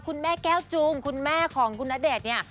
คุณแม่แก้วจูงคุณแม่ของคุณณเดชน์เนี่ย